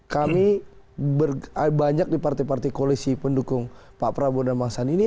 kami banyak di partai partai koalisi pendukung pak prabowo dan bang sandi ini